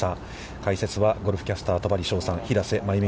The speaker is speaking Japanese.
解説はゴルフキャスター戸張捷さん、平瀬真由美